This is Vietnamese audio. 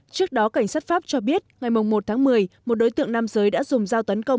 trước đó cảnh sát pháp cho biết ngày một tháng một mươi một đối tượng nam giới đã dùng dao tấn công